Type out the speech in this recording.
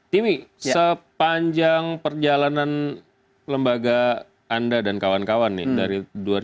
timi sepanjang perjalanan lembaga anda dan kawan kawan nih dari dua ribu tiga belas